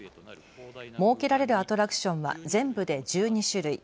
設けられるアトラクションは全部で１２種類。